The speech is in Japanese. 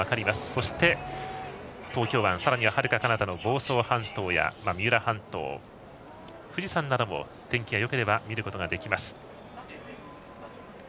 そして、東京湾さらには、はるかかなたの房総半島や三浦半島、富士山なども天気がよければ見ることができます。